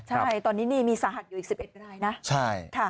ใช่ตอนนี้นี่มีสาหัสอยู่อีก๑๑รายนะ